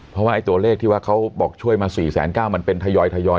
เพราะว่าไอ้ตัวเลขที่ว่าเขาบอกช่วยมา๔๙๐๐มันเป็นทยอย